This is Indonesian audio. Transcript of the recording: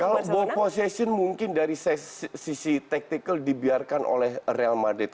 kalau ball position mungkin dari sisi taktikal dibiarkan oleh real madrid